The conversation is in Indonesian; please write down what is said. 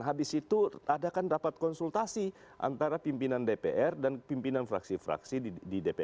habis itu adakan rapat konsultasi antara pimpinan dpr dan pimpinan fraksi fraksi di dpr